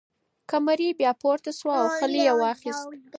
قمري بیا پورته شوه او خلی یې واخیست.